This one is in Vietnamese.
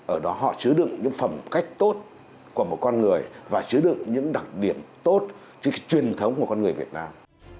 ở đó họ chứa được những phẩm cách tốt của một con người và chứa được những đặc điểm tốt những truyền thống của một con người việt nam